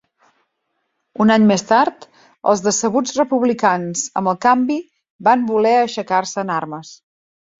Un any més tard, els decebuts republicans amb el canvi van voler aixecar-se en armes.